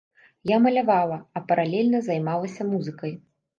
Я малявала, а паралельна займалася музыкай.